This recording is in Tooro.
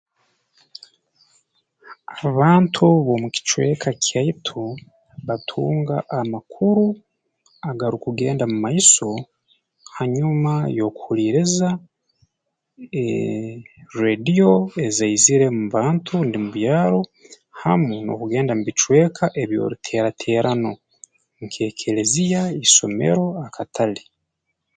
Abantu b'omu kicweka kyaitu batunga amakuru agarukugenda mu maiso hanyuma y'okuhuuliiriza ee rrediyo ezaizire mu bantu rundi mu byaro hamu n'okugenda mu bicweka eby'oruteeraterano nk'ekeleziya isomero akatale